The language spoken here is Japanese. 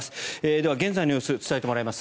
では現在の様子を伝えてもらいます。